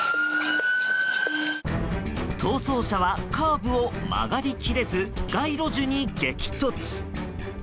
逃走車はカーブを曲がり切れず街路樹に激突。